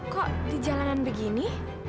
kok di jalanan begini